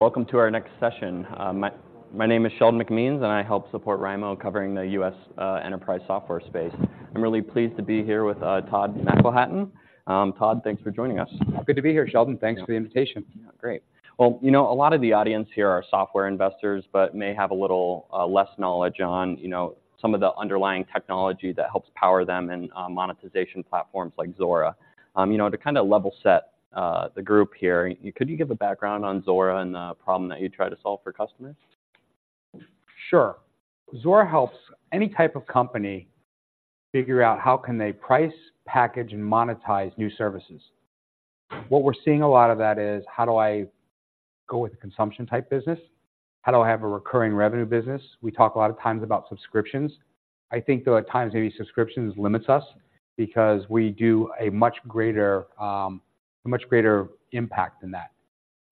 Welcome to our next session. My name is Sheldon McMeans, and I help support Barclays, covering the U.S. enterprise software space. I'm really pleased to be here with Todd McElhatton. Todd, thanks for joining us. Good to be here, Sheldon. Thanks for the invitation. Yeah, great. Well, you know, a lot of the audience here are software investors, but may have a little less knowledge on, you know, some of the underlying technology that helps power them and monetization platforms like Zuora. You know, to kind of level set the group here, could you give a background on Zuora and the problem that you try to solve for customers? Sure. Zuora helps any type of company figure out how can they price, package, and monetize new services. What we're seeing a lot of that is, How do I go with a consumption type business? How do I have a recurring revenue business? We talk a lot of times about subscriptions. I think, though, at times, maybe subscriptions limits us because we do a much greater, a much greater impact than that.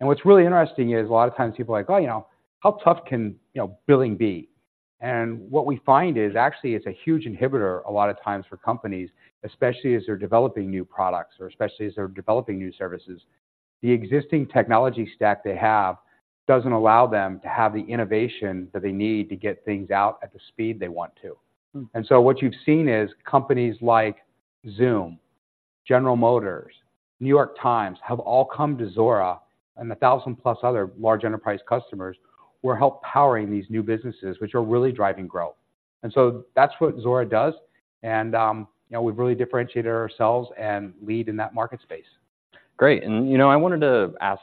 And what's really interesting is, a lot of times people are like: "Oh, you know, how tough can, you know, billing be?" And what we find is, actually, it's a huge inhibitor a lot of times for companies, especially as they're developing new products or especially as they're developing new services. The existing technology stack they have doesn't allow them to have the innovation that they need to get things out at the speed they want to. Mm. What you've seen is companies like Zoom, General Motors, New York Times, have all come to Zuora, and 1,000+ other large enterprise customers. We're help powering these new businesses, which are really driving growth. That's what Zuora does, and, you know, we've really differentiated ourselves and lead in that market space. Great. You know, I wanted to ask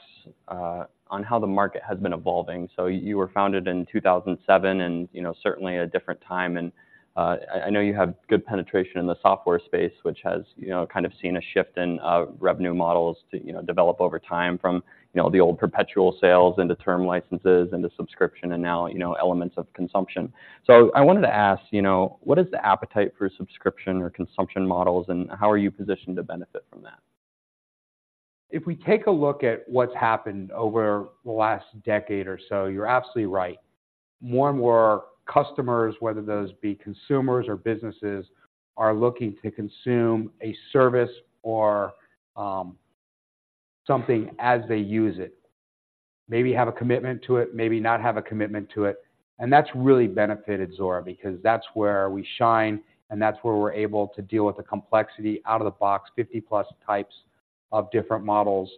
on how the market has been evolving. You were founded in 2007, and, you know, certainly a different time, and, I know you have good penetration in the software space, which has, you know, kind of seen a shift in revenue models to, you know, develop over time from, you know, the old perpetual sales into term licenses, into subscription, and now, you know, elements of consumption. I wanted to ask, you know, what is the appetite for subscription or consumption models, and how are you positioned to benefit from that? If we take a look at what's happened over the last decade or so, you're absolutely right. More and more customers, whether those be consumers or businesses, are looking to consume a service or, something as they use it. Maybe have a commitment to it, maybe not have a commitment to it, and that's really benefited Zuora because that's where we shine, and that's where we're able to deal with the complexity out-of-the-box, 50+ types of different models,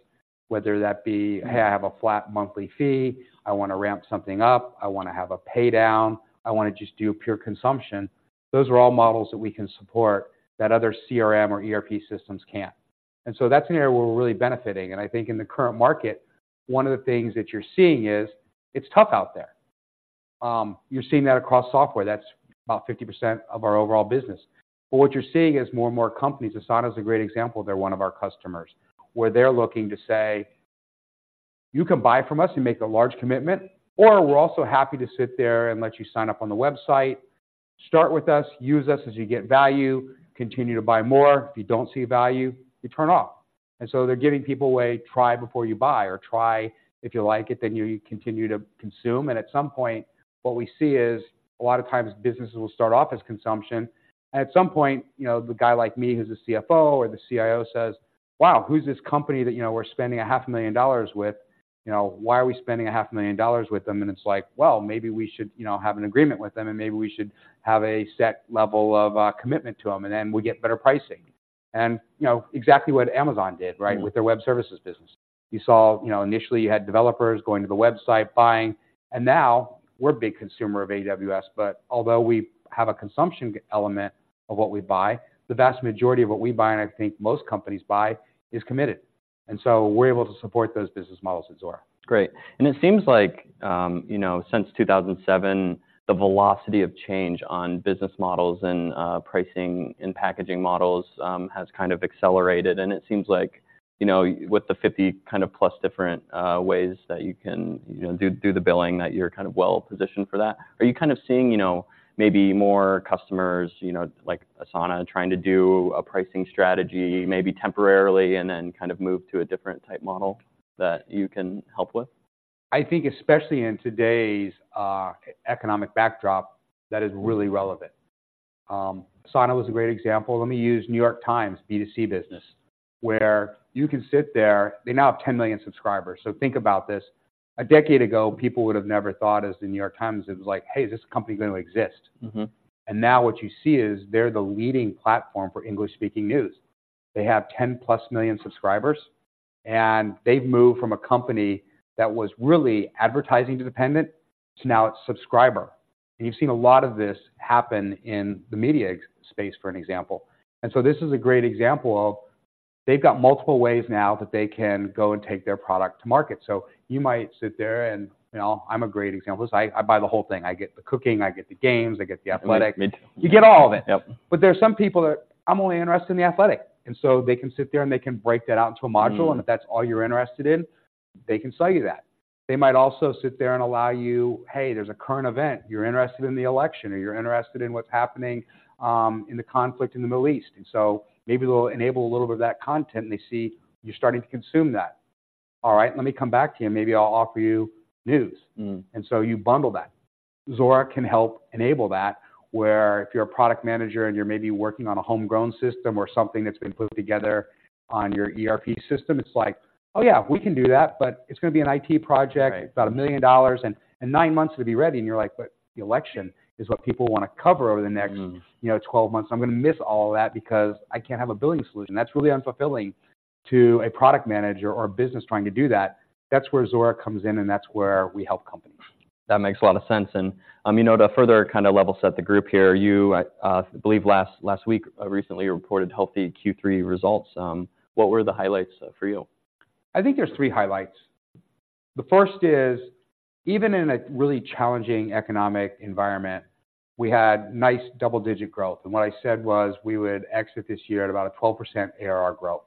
whether that be, "Hey, I have a flat monthly fee, I want to ramp something up, I want to have a pay down, I want to just do pure consumption." Those are all models that we can support that other CRM or ERP systems can't. And so that's an area where we're really benefiting, and I think in the current market, one of the things that you're seeing is, it's tough out there. You're seeing that across software. That's about 50% of our overall business. But what you're seeing is more and more companies, Asana is a great example, they're one of our customers, where they're looking to say: "You can buy from us and make a large commitment, or we're also happy to sit there and let you sign up on the website. Start with us, use us as you get value, continue to buy more. If you don't see value, you turn off." And so they're giving people a way, try before you buy, or try, if you like it, then you, you continue to consume. At some point, what we see is, a lot of times businesses will start off as consumption. At some point, you know, the guy like me, who's a CFO or the CIO, says: "Wow, who's this company that, you know, we're spending $500,000 with? You know, why are we spending $500,000 with them?" And it's like, well, maybe we should, you know, have an agreement with them, and maybe we should have a set level of commitment to them, and then we get better pricing. And, you know, exactly what Amazon did, right? Mm. With their web services business. You saw, you know, initially you had developers going to the website, buying, and now we're a big consumer of AWS, but although we have a consumption element of what we buy, the vast majority of what we buy, and I think most companies buy, is committed. And so we're able to support those business models at Zuora. Great. It seems like, you know, since 2007, the velocity of change on business models and, pricing and packaging models, has kind of accelerated, and it seems like, you know, with the 50 kind of plus different, ways that you can, you know, do, do the billing, that you're kind of well positioned for that. Are you kind of seeing, you know, maybe more customers, you know, like Asana, trying to do a pricing strategy, maybe temporarily, and then kind of move to a different type model that you can help with? I think especially in today's economic backdrop, that is really relevant. Asana was a great example. Let me use New York Times, B2C business, where you can sit there... They now have 10 million subscribers. So think about this, a decade ago, people would have never thought of the New York Times, it was like, "Hey, is this company going to exist? Mm-hmm. And now what you see is, they're the leading platform for English-speaking news. They have 10+ million subscribers, and they've moved from a company that was really advertising dependent to now it's subscriber. And you've seen a lot of this happen in the media ecosystem space, for an example. And so this is a great example of, they've got multiple ways now that they can go and take their product to market. So you might sit there, and, you know, I'm a great example of this. I buy the whole thing. I get the cooking, I get the games, I get The Athletic. Me too. You get all of it. Yep. But there are some people that, "I'm only interested in The Athletic." And so they can sit there, and they can break that out into a module- Mm... and if that's all you're interested in, they can sell you that. They might also sit there and allow you, hey, there's a current event. You're interested in the election, or you're interested in what's happening in the conflict in the Middle East. And so maybe they'll enable a little bit of that content, and they see you're starting to consume that. All right, let me come back to you, and maybe I'll offer you news. Mm. And so you bundle that. Zuora can help enable that, where if you're a product manager and you're maybe working on a homegrown system or something that's been put together on your ERP system, it's like, "Oh, yeah, we can do that, but it's gonna be an IT project- Right. - about $1 million and nine months to be ready. And you're like: But the election is what people wanna cover over the next- Mm You know, 12 months. I'm gonna miss all of that because I can't have a billing solution. That's really unfulfilling to a product manager or a business trying to do that. That's where Zuora comes in, and that's where we help companies. That makes a lot of sense, and you know, to further kind of level set the group here, I believe last week recently reported healthy Q3 results. What were the highlights for you? I think there's three highlights. The first is, even in a really challenging economic environment, we had nice double-digit growth. And what I said was, we would exit this year at about a 12% ARR growth.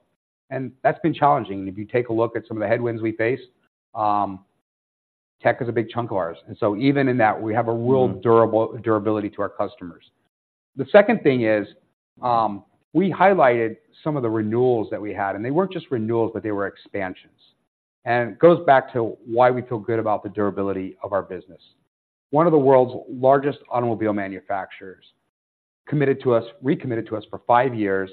And that's been challenging. If you take a look at some of the headwinds we faced, tech is a big chunk of ours. And so even in that, we have- Mm a real durability to our customers. The second thing is, we highlighted some of the renewals that we had, and they weren't just renewals, but they were expansions. It goes back to why we feel good about the durability of our business. One of the world's largest automobile manufacturers recommitted to us for five years,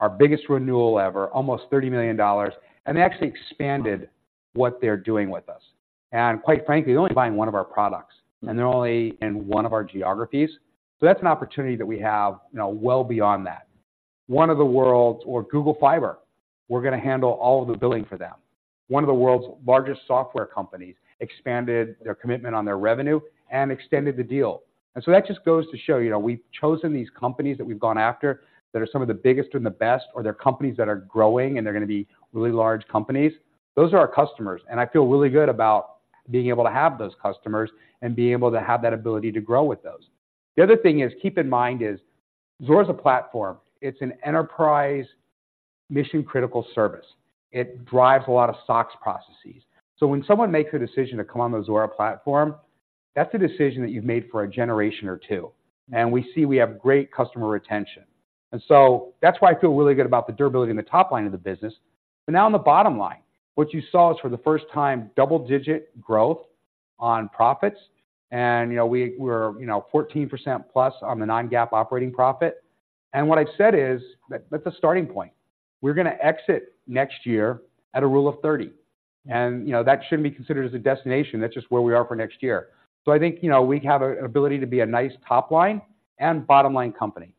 our biggest renewal ever, almost $30 million, and they actually expanded what they're doing with us. Quite frankly, they're only buying one of our products, and they're only in one of our geographies. So that's an opportunity that we have, you know, well beyond that. One of the world's largest, or Google Fiber, we're gonna handle all of the billing for them. One of the world's largest software companies expanded their commitment on their revenue and extended the deal. And so that just goes to show, you know, we've chosen these companies that we've gone after that are some of the biggest and the best, or they're companies that are growing, and they're gonna be really large companies. Those are our customers, and I feel really good about being able to have those customers and being able to have that ability to grow with those. The other thing is, keep in mind, is Zuora's a platform. It's an enterprise mission-critical service. It drives a lot of SOX processes. So when someone makes a decision to come on the Zuora platform, that's a decision that you've made for a generation or two, and we see we have great customer retention. And so that's why I feel really good about the durability in the top line of the business. Now on the bottom line, what you saw is, for the first time, double-digit growth on profits, and, you know, we're, you know, 14% plus on the non-GAAP operating profit. What I've said is, that's a starting point. We're gonna exit next year at a rule of thirty, and, you know, that shouldn't be considered as a destination. That's just where we are for next year. So I think, you know, we have an ability to be a nice top-line and bottom-line company.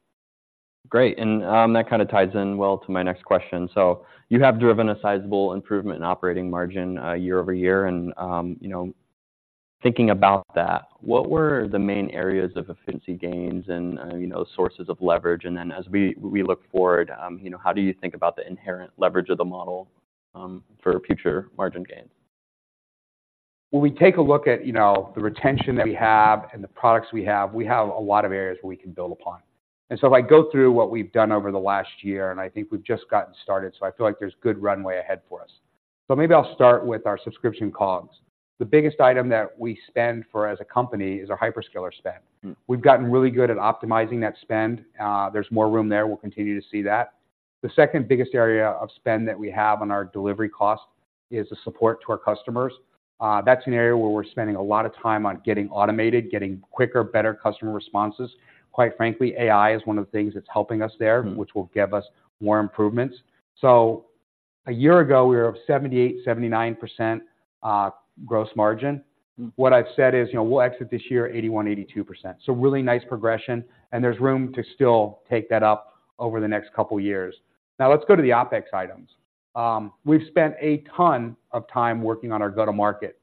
Great, and, that kind of ties in well to my next question. So you have driven a sizable improvement in operating margin, year-over-year, and, you know, thinking about that, what were the main areas of efficiency gains and, you know, sources of leverage? And then, as we look forward, you know, how do you think about the inherent leverage of the model, for future margin gains? When we take a look at, you know, the retention that we have and the products we have, we have a lot of areas where we can build upon. And so if I go through what we've done over the last year, and I think we've just gotten started, so I feel like there's good runway ahead for us. So maybe I'll start with our subscription COGS. The biggest item that we spend for as a company is our hyperscaler spend. Mm. We've gotten really good at optimizing that spend. There's more room there. We'll continue to see that. The second biggest area of spend that we have on our delivery cost is the support to our customers. That's an area where we're spending a lot of time on getting automated, getting quicker, better customer responses. Quite frankly, AI is one of the things that's helping us there- Mm... which will give us more improvements. So a year ago, we were at 78%-79% gross margin. Mm. What I've said is, you know, we'll exit this year 81%-82%. So really nice progression, and there's room to still take that up over the next couple of years. Now, let's go to the OpEx items. We've spent a ton of time working on our go-to-market.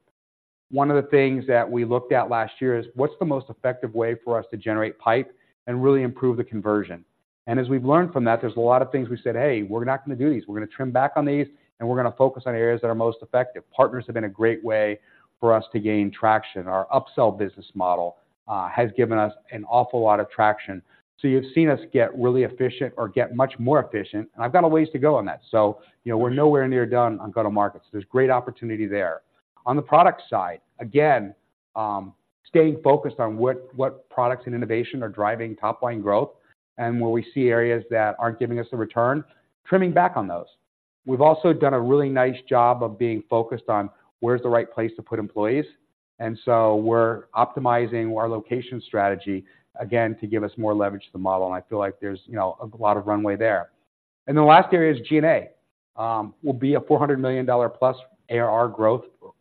One of the things that we looked at last year is, what's the most effective way for us to generate pipe and really improve the conversion? And as we've learned from that, there's a lot of things we said, "Hey, we're not gonna do these. We're gonna trim back on these, and we're gonna focus on areas that are most effective." Partners have been a great way for us to gain traction. Our upsell business model has given us an awful lot of traction. So you've seen us get really efficient or get much more efficient, and I've got a ways to go on that. So, you know, we're nowhere near done on go-to-market. So there's great opportunity there. On the product side, again, staying focused on what products and innovation are driving top-line growth, and where we see areas that aren't giving us a return, trimming back on those. We've also done a really nice job of being focused on where's the right place to put employees, and so we're optimizing our location strategy, again, to give us more leverage to the model, and I feel like there's, you know, a lot of runway there. And the last area is G&A. We'll be a $400 million plus ARR growth, or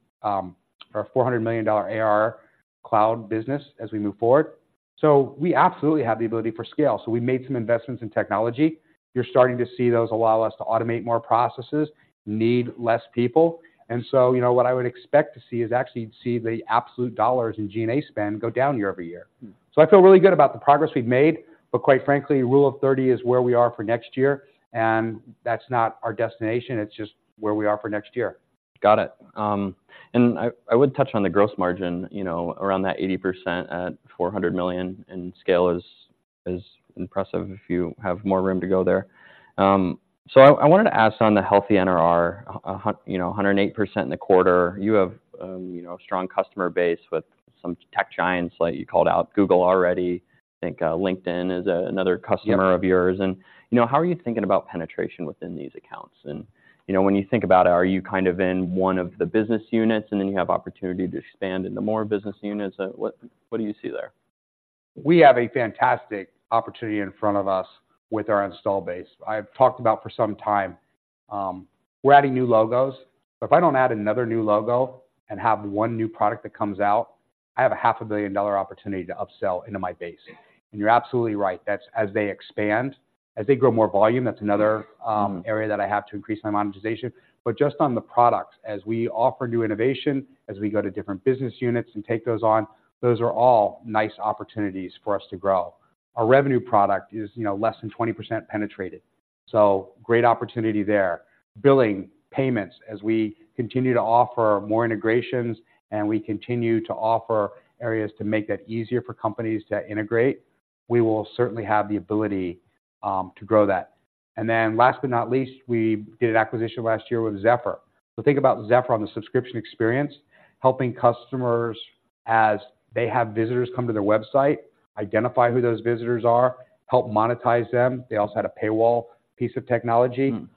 a $400 million ARR cloud business as we move forward. So we absolutely have the ability for scale. So we made some investments in technology. You're starting to see those allow us to automate more processes, need less people. And so, you know, what I would expect to see is actually to see the absolute dollars in G&A spend go down year-over-year. Mm. So I feel really good about the progress we've made, but quite frankly, rule of 30 is where we are for next year, and that's not our destination. It's just where we are for next year. Got it. I would touch on the gross margin, you know, around that 80% at $400 million, and scale is impressive if you have more room to go there. So I wanted to ask on the healthy NRR, you know, 108% in the quarter. You have, you know, a strong customer base with some tech giants, like you called out Google already. I think, LinkedIn is another customer- Yep... of yours. And, you know, how are you thinking about penetration within these accounts? And, you know, when you think about it, are you kind of in one of the business units, and then you have opportunity to expand into more business units? What do you see there?... We have a fantastic opportunity in front of us with our install base. I've talked about for some time, we're adding new logos, but if I don't add another new logo and have one new product that comes out, I have a $500 million opportunity to upsell into my base. You're absolutely right, that's as they expand, as they grow more volume, that's another area that I have to increase my monetization. Just on the products, as we offer new innovation, as we go to different business units and take those on, those are all nice opportunities for us to grow. Our revenue product is, you know, less than 20% penetrated, so great opportunity there. Billing, payments, as we continue to offer more integrations, and we continue to offer areas to make that easier for companies to integrate, we will certainly have the ability to grow that. And then last but not least, we did an acquisition last year with Zephr. So think about Zephr on the subscription experience, helping customers as they have visitors come to their website, identify who those visitors are, help monetize them. They also had a paywall piece of technology- Mm.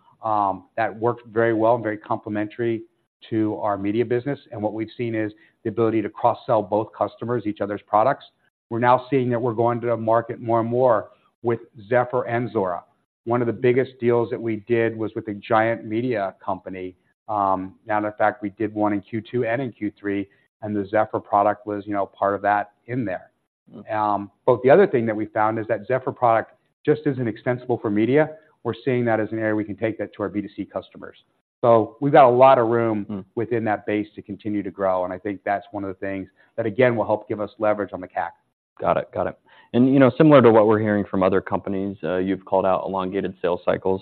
That worked very well and very complementary to our media business, and what we've seen is the ability to cross-sell both customers, each other's products. We're now seeing that we're going to market more and more with Zephr and Zuora. One of the biggest deals that we did was with a giant media company, matter of fact, we did one in Q2 and in Q3, and the Zephr product was, you know, part of that in there. Mm. But the other thing that we found is that Zephr product just isn't extensible for media. We're seeing that as an area we can take that to our B2C customers. So we've got a lot of room- Mm... within that base to continue to grow, and I think that's one of the things that, again, will help give us leverage on the CAC. Got it. Got it. And, you know, similar to what we're hearing from other companies, you've called out elongated sales cycles.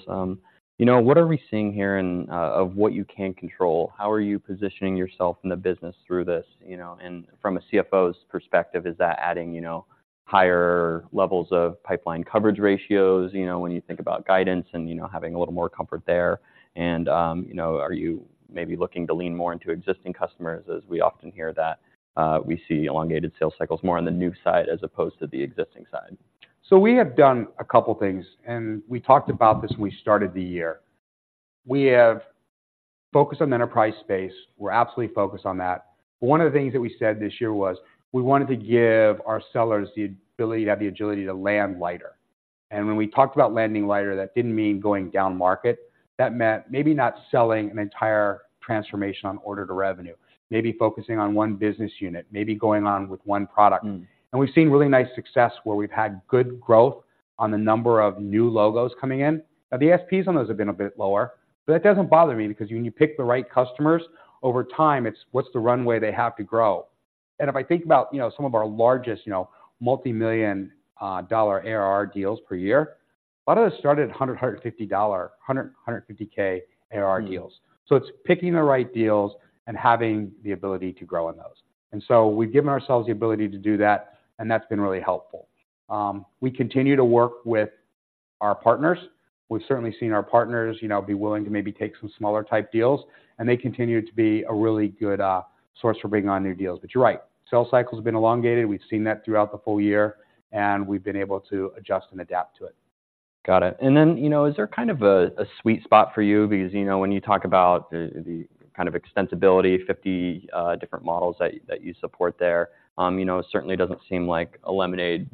You know, what are we seeing here in of what you can control? How are you positioning yourself in the business through this, you know, and from a CFO's perspective, is that adding, you know, higher levels of pipeline coverage ratios, you know, when you think about guidance and, you know, having a little more comfort there, and you know, are you maybe looking to lean more into existing customers, as we often hear that, we see elongated sales cycles more on the new side as opposed to the existing side? We have done a couple things, and we talked about this when we started the year. We have focused on the enterprise space. We're absolutely focused on that. One of the things that we said this year was, we wanted to give our sellers the ability to have the agility to land lighter. When we talked about landing lighter, that didn't mean going down market. That meant maybe not selling an entire transformation on order to revenue, maybe focusing on one business unit, maybe going on with one product. Mm. And we've seen really nice success, where we've had good growth on the number of new logos coming in. Now, the ASPs on those have been a bit lower, but that doesn't bother me because when you pick the right customers, over time, it's what's the runway they have to grow. And if I think about, you know, some of our largest, you know, multimillion-dollar ARR deals per year, a lot of those started at $100, $150, $100, $150K ARR deals. Mm. It's picking the right deals and having the ability to grow in those. So we've given ourselves the ability to do that, and that's been really helpful. We continue to work with our partners. We've certainly seen our partners, you know, be willing to maybe take some smaller type deals, and they continue to be a really good source for bringing on new deals. But you're right, sales cycles have been elongated. We've seen that throughout the full year, and we've been able to adjust and adapt to it. Got it. And then, you know, is there kind of a sweet spot for you? Because, you know, when you talk about the kind of extensibility, 50 different models that you support there, you know, it certainly doesn't seem like a lemonade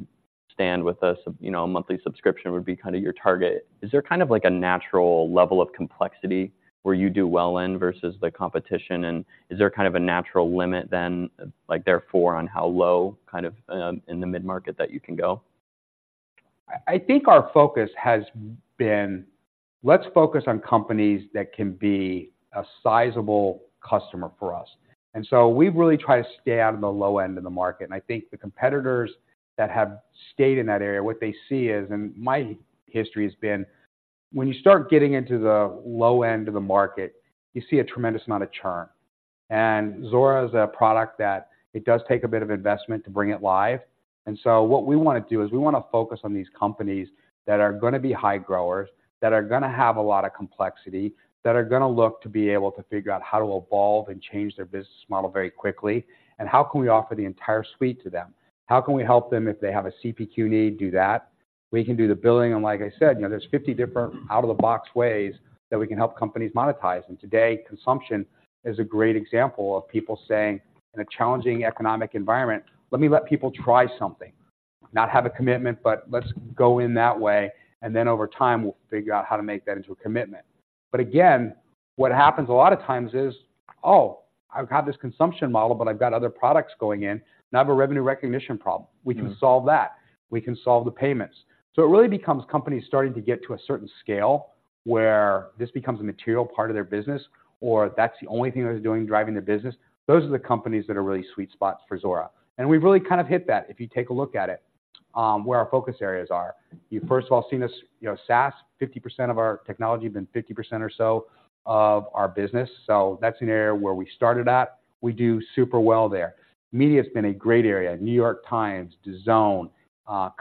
stand with a—you know, a monthly subscription would be kind of your target. Is there kind of like a natural level of complexity where you do well in versus the competition, and is there kind of a natural limit then, like therefore, on how low kind of in the mid-market that you can go? I think our focus has been, let's focus on companies that can be a sizable customer for us. So we really try to stay out of the low end of the market, and I think the competitors that have stayed in that area, what they see is, and my history has been, when you start getting into the low end of the market, you see a tremendous amount of churn. Zuora is a product that it does take a bit of investment to bring it live. So what we wanna do is, we wanna focus on these companies that are gonna be high growers, that are gonna have a lot of complexity, that are gonna look to be able to figure out how to evolve and change their business model very quickly, and how can we offer the entire suite to them? How can we help them if they have a CPQ need, do that. We can do the billing, and like I said, you know, there's 50 different out-of-the-box ways that we can help companies monetize. Today, consumption is a great example of people saying, "In a challenging economic environment, let me let people try something. Not have a commitment, but let's go in that way, and then over time, we'll figure out how to make that into a commitment." Again, what happens a lot of times is, oh, I've got this consumption model, but I've got other products going in. Now I have a revenue recognition problem. Mm. We can solve that. We can solve the payments. So it really becomes companies starting to get to a certain scale, where this becomes a material part of their business, or that's the only thing that is doing, driving their business. Those are the companies that are really sweet spots for Zuora. And we've really kind of hit that, if you take a look at it, where our focus areas are. You've first of all seen us, you know, SaaS, 50% of our technology has been 50% or so of our business, so that's an area where we started at. We do super well there. Media has been a great area, New York Times, Zoom,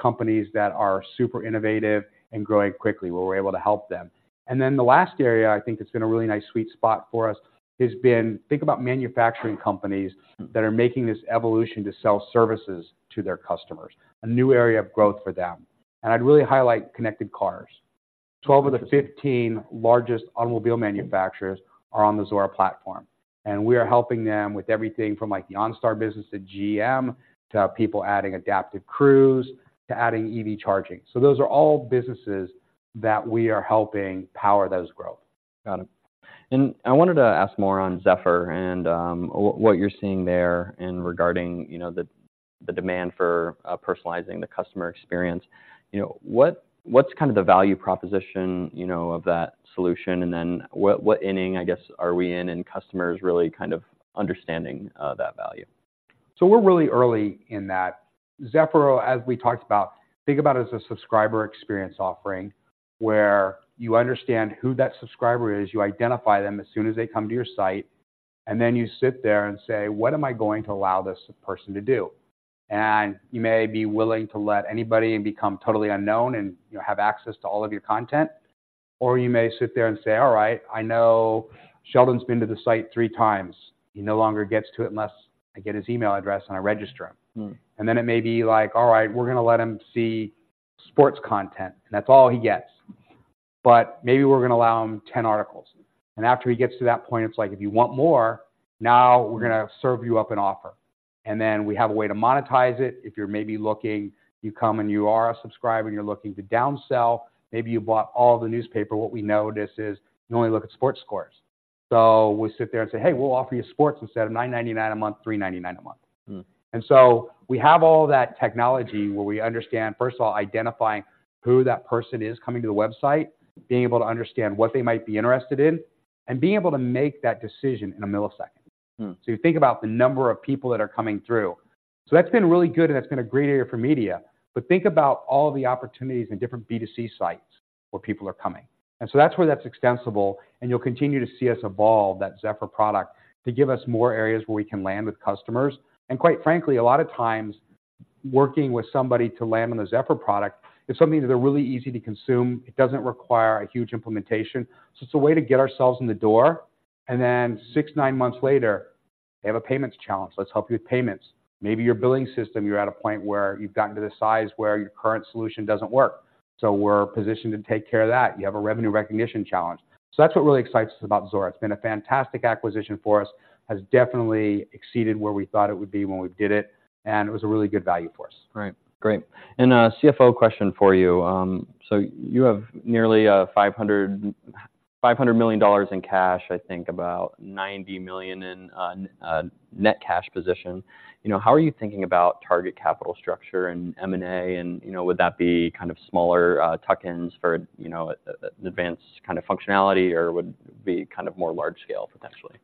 companies that are super innovative and growing quickly, where we're able to help them. And then the last area I think that's been a really nice sweet spot for us has been. Think about manufacturing companies that are making this evolution to sell services to their customers, a new area of growth for them. And I'd really highlight connected cars. 12 of the 15 largest automobile manufacturers are on the Zuora platform, and we are helping them with everything from, like, the OnStar business to GM, to people adding adaptive cruise, to adding EV charging. So those are all businesses that we are helping power those growth. Got it. I wanted to ask more on Zephr and what you're seeing there regarding, you know, the demand for personalizing the customer experience. You know, what's kind of the value proposition, you know, of that solution? And then what inning, I guess, are we in, and customers really kind of understanding that value? So we're really early in that. Zephr, as we talked about, think about it as a subscriber experience offering, where you understand who that subscriber is, you identify them as soon as they come to your site, and then you sit there and say, "What am I going to allow this person to do?" And you may be willing to let anybody and become totally unknown and, you know, have access to all of your content, or you may sit there and say, "All right, I know Sheldon's been to the site three times. He no longer gets to it unless I get his email address and I register him. Mm. And then it may be like, "All right, we're gonna let him see sports content, and that's all he gets. But maybe we're gonna allow him ten articles." And after he gets to that point, it's like, "If you want more, now we're gonna serve you up an offer." And then we have a way to monetize it. If you're maybe looking, you come and you are a subscriber, and you're looking to downsell, maybe you bought all the newspaper, what we notice is, you only look at sports scores. So we sit there and say, "Hey, we'll offer you sports instead of $9.99 a month, $3.99 a month. Mm. And so we have all that technology where we understand, first of all, identifying who that person is coming to the website, being able to understand what they might be interested in, and being able to make that decision in a millisecond. Mm. So you think about the number of people that are coming through. So that's been really good, and that's been a great area for media. But think about all the opportunities in different B2C sites where people are coming. And so that's where that's extensible, and you'll continue to see us evolve that Zephr product to give us more areas where we can land with customers. And quite frankly, a lot of times, working with somebody to land on the Zephr product is something that they're really easy to consume. It doesn't require a huge implementation, so it's a way to get ourselves in the door. And then 6-9 months later, they have a payments challenge. Let's help you with payments. Maybe your billing system, you're at a point where you've gotten to the size where your current solution doesn't work, so we're positioned to take care of that. You have a revenue recognition challenge. So that's what really excites us about Zuora. It's been a fantastic acquisition for us. Has definitely exceeded where we thought it would be when we did it, and it was a really good value for us. Right. Great. And, CFO question for you. So you have nearly $500 million in cash, I think about $90 million in net cash position. You know, how are you thinking about target capital structure and M&A, and, you know, would that be kind of smaller tuck-ins for, you know, an advanced kind of functionality, or would it be kind of more large scale, potentially?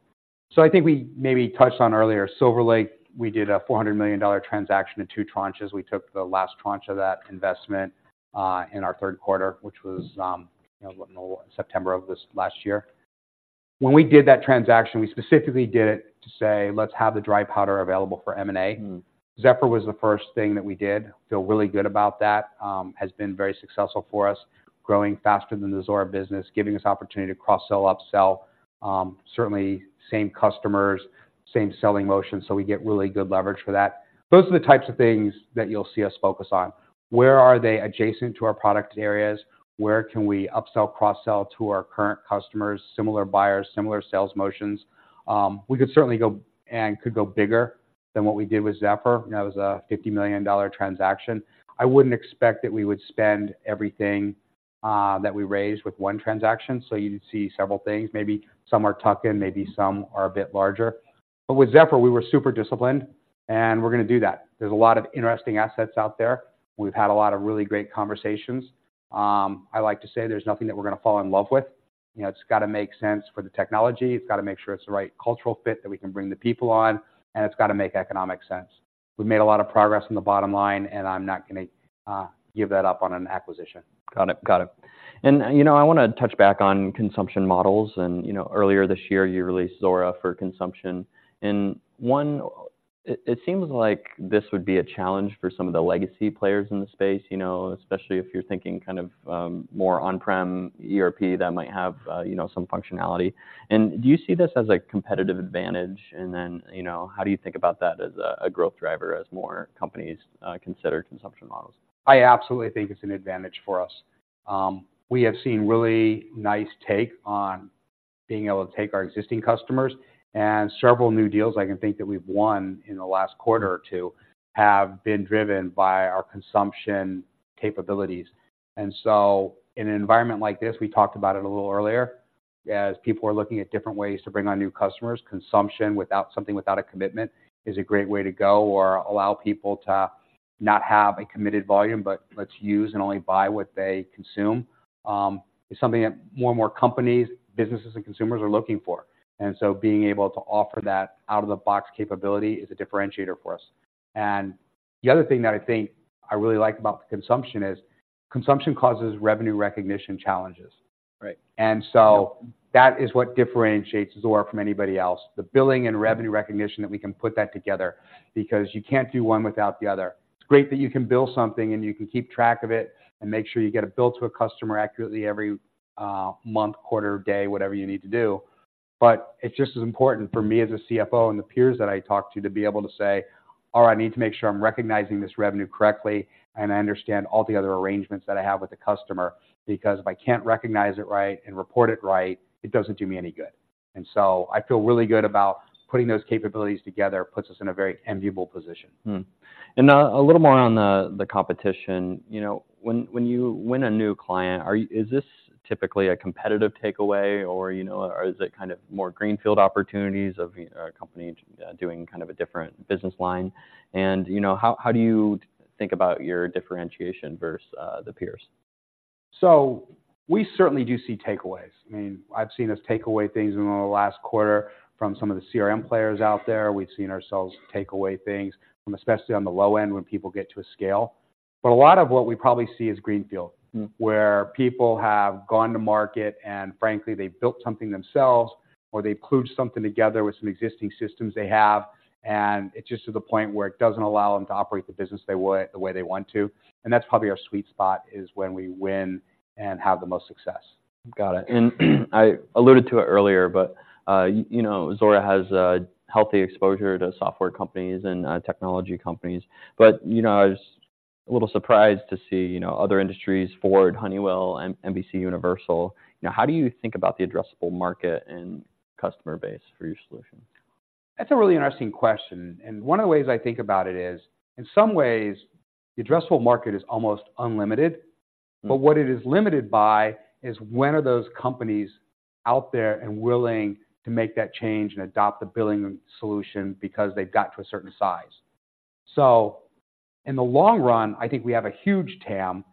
So I think we maybe touched on earlier, Silver Lake, we did a $400 million transaction in two tranches. We took the last tranche of that investment in our third quarter, which was, you know, what, September of this last year. When we did that transaction, we specifically did it to say, "Let's have the dry powder available for M&A. Mm. Zephr was the first thing that we did. Feel really good about that. Has been very successful for us, growing faster than the Zuora business, giving us opportunity to cross-sell, up-sell. Certainly same customers, same selling motion, so we get really good leverage for that. Those are the types of things that you'll see us focus on. Where are they adjacent to our product areas? Where can we up-sell, cross-sell to our current customers, similar buyers, similar sales motions? We could certainly go and could go bigger than what we did with Zephr. That was a $50 million transaction. I wouldn't expect that we would spend everything that we raised with one transaction, so you'd see several things. Maybe some are tuck-in, maybe some are a bit larger. But with Zephr, we were super disciplined, and we're gonna do that. There's a lot of interesting assets out there. We've had a lot of really great conversations. I like to say there's nothing that we're gonna fall in love with. You know, it's gotta make sense for the technology, it's gotta make sure it's the right cultural fit that we can bring the people on, and it's gotta make economic sense. We've made a lot of progress on the bottom line, and I'm not gonna give that up on an acquisition. Got it. Got it. And, you know, I wanna touch back on consumption models, and, you know, earlier this year, you released Zuora for Consumption. And one, it seems like this would be a challenge for some of the legacy players in the space, you know, especially if you're thinking kind of more on-prem ERP that might have, you know, some functionality. And do you see this as a competitive advantage? And then, you know, how do you think about that as a growth driver as more companies consider consumption models? I absolutely think it's an advantage for us. We have seen really nice take on being able to take our existing customers, and several new deals I can think that we've won in the last quarter or two, have been driven by our consumption capabilities. And so in an environment like this, we talked about it a little earlier, as people are looking at different ways to bring on new customers, consumption without something, without a commitment, is a great way to go or allow people to not have a committed volume, but let's use and only buy what they consume, is something that more and more companies, businesses, and consumers are looking for. And so being able to offer that out-of-the-box capability is a differentiator for us. And the other thing that I think I really like about the consumption is, consumption causes revenue recognition challenges. Right. And so that is what differentiates Zuora from anybody else. The billing and revenue recognition, that we can put that together, because you can't do one without the other. It's great that you can bill something, and you can keep track of it and make sure you get it billed to a customer accurately every month, quarter, day, whatever you need to do.... but it's just as important for me as a CFO and the peers that I talk to, to be able to say, "Oh, I need to make sure I'm recognizing this revenue correctly, and I understand all the other arrangements that I have with the customer, because if I can't recognize it right and report it right, it doesn't do me any good." And so I feel really good about putting those capabilities together, puts us in a very enviable position. Hmm. And a little more on the competition. You know, when you win a new client, are you- is this typically a competitive takeaway or, you know, or is it kind of more greenfield opportunities of a company doing kind of a different business line? And, you know, how do you think about your differentiation versus the peers? So we certainly do see takeaways. I mean, I've seen us take away things in the last quarter from some of the CRM players out there. We've seen ourselves take away things from, especially on the low end, when people get to a scale. But a lot of what we probably see is greenfield- Mm. where people have gone to market, and frankly, they've built something themselves, or they've kludged something together with some existing systems they have, and it's just to the point where it doesn't allow them to operate the business the way—the way they want to. And that's probably our sweet spot, is when we win and have the most success. Got it. And I alluded to it earlier, but, you know, Zuora has a healthy exposure to software companies and, technology companies. But, you know, I was a little surprised to see, you know, other industries, Ford, Honeywell, and NBCUniversal. You know, how do you think about the addressable market and customer base for your solution? That's a really interesting question, and one of the ways I think about it is, in some ways, the addressable market is almost unlimited. Mm. But what it is limited by is, when are those companies out there and willing to make that change and adopt the billing solution because they've got to a certain size? So in the long run, I think we have a huge TAM.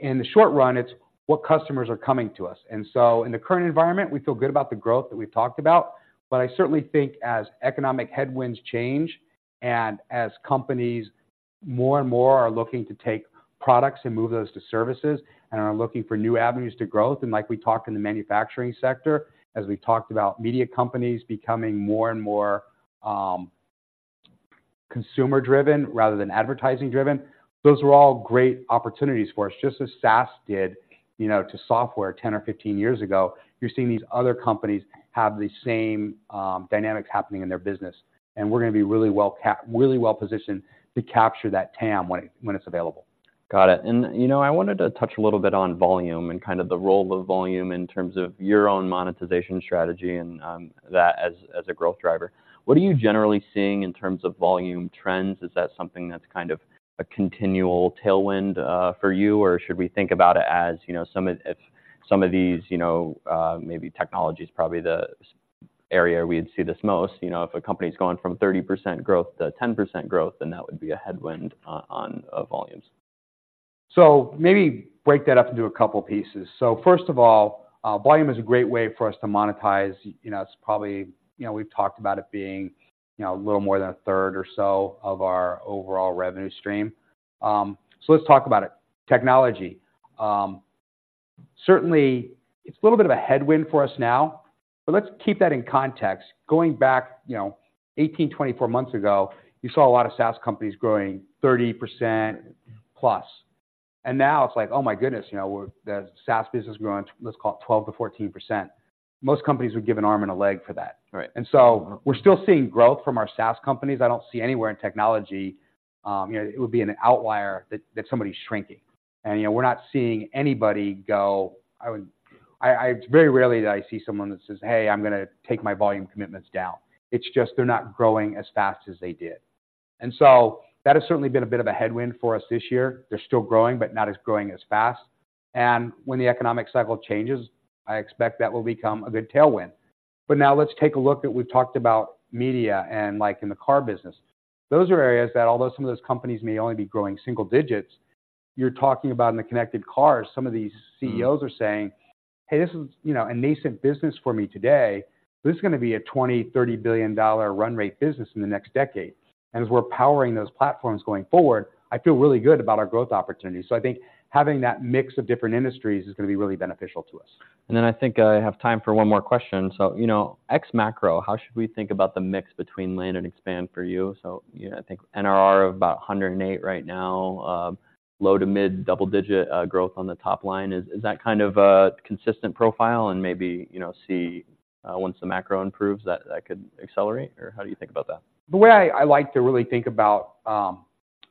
In the short run, it's what customers are coming to us. And so in the current environment, we feel good about the growth that we've talked about, but I certainly think as economic headwinds change and as companies more and more are looking to take products and move those to services and are looking for new avenues to growth, and like we talked in the manufacturing sector, as we talked about media companies becoming more and more, consumer-driven rather than advertising-driven, those are all great opportunities for us. Just as SaaS did, you know, to software 10 or 15 years ago, you're seeing these other companies have the same dynamics happening in their business, and we're going to be really well positioned to capture that TAM when it, when it's available. Got it. And, you know, I wanted to touch a little bit on volume and kind of the role of volume in terms of your own monetization strategy and, that as, as a growth driver. What are you generally seeing in terms of volume trends? Is that something that's kind of a continual tailwind, for you, or should we think about it as, you know, if some of these, you know, maybe technology is probably the area we'd see this most, you know, if a company's going from 30% growth to 10% growth, then that would be a headwind on, volumes. So maybe break that up into a couple pieces. So first of all, volume is a great way for us to monetize. You know, it's probably, you know, we've talked about it being, you know, a little more than a third or so of our overall revenue stream. So let's talk about it. Technology. Certainly, it's a little bit of a headwind for us now, but let's keep that in context. Going back, you know, 18-24 months ago, you saw a lot of SaaS companies growing 30%+, and now it's like, oh, my goodness, you know, we're—the SaaS business is growing, let's call it 12%-14%. Most companies would give an arm and a leg for that. Right. We're still seeing growth from our SaaS companies. I don't see anywhere in technology, you know, it would be an outlier that somebody's shrinking. And, you know, we're not seeing anybody. It's very rarely that I see someone that says, "Hey, I'm going to take my volume commitments down." It's just they're not growing as fast as they did. And so that has certainly been a bit of a headwind for us this year. They're still growing, but not as growing as fast. And when the economic cycle changes, I expect that will become a good tailwind. But now let's take a look at. We've talked about media and, like, in the car business. Those are areas that, although some of those companies may only be growing single digits, you're talking about in the connected cars, some of these- Mm... CEOs are saying, "Hey, this is, you know, a nascent business for me today, but this is going to be a $20 billion-$30 billion run rate business in the next decade." And as we're powering those platforms going forward, I feel really good about our growth opportunities. So I think having that mix of different industries is going to be really beneficial to us. Then I think I have time for one more question. So, you know, ex macro, how should we think about the mix between land and expand for you? So, you know, I think NRR of about 108 right now, low to mid double-digit growth on the top line. Is that kind of a consistent profile and maybe, you know, see once the macro improves, that could accelerate, or how do you think about that? The way I like to really think about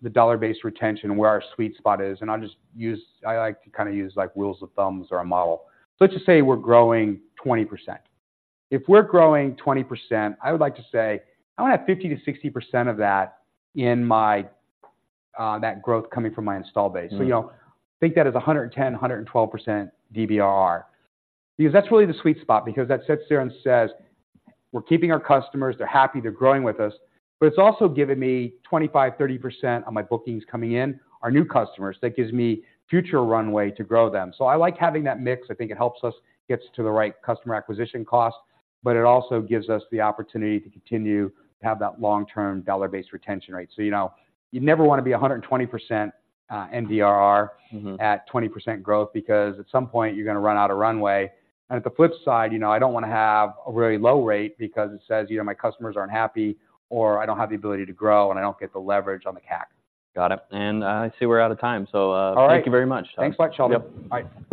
the dollar-based retention, where our sweet spot is, and I'll just use—I like to kind of use, like, rules of thumbs or a model. So let's just say we're growing 20%. If we're growing 20%, I would like to say, I want to have 50%-60% of that in my that growth coming from my install base. Mm. So, you know, think that is 110-112% DBRR. Because that's really the sweet spot, because that sits there and says, "We're keeping our customers, they're happy, they're growing with us," but it's also giving me 25-30% of my bookings coming in, are new customers. That gives me future runway to grow them. So I like having that mix. I think it helps us, gets to the right customer acquisition cost, but it also gives us the opportunity to continue to have that long-term dollar-based retention rate. So, you know, you never want to be 120%, NDRR- Mm-hmm... at 20% growth, because at some point you're going to run out of runway. And at the flip side, you know, I don't want to have a very low rate because it says, you know, my customers aren't happy, or I don't have the ability to grow, and I don't get the leverage on the CAC. Got it. And, I see we're out of time. So, All right. Thank you very much. Thanks much, Sheldon. Yep. Bye.